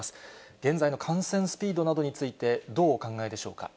現在の感染スピードなどについてどうお考えでしょうか。